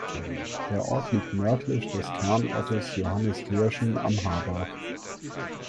Der Ort liegt nördlich des Kernortes Johanniskirchen am Habach.